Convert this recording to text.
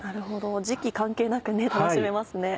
時期関係なく楽しめますね。